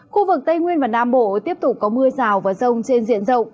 khu vực tây nguyên và nam bộ tiếp tục có mưa rào và rông trên diện rộng